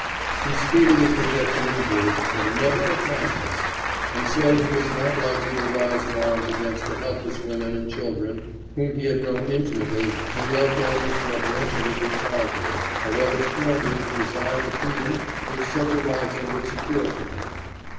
He speedily forgets an injury, but never a kindness, and so he was not likely to rise in arms against the helpless women and children whom he had known intimately and loved almost reverentially from childhood, however strongly he desired the freedom which such a rising would secure to him.